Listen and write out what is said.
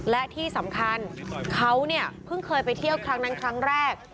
และที่สำคัญเขาเนี่ยเพิ่งเคยไปเที่ยวครั้งนั้นครั้งแรก